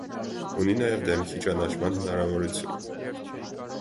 Ունի նաև դեմքի ճանաչման հնարավորություն։